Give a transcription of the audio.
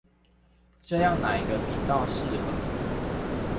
這樣哪一個頻道適合